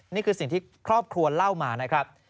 นี่คือสิ่งที่ครอบครัวเล่ามานะครับ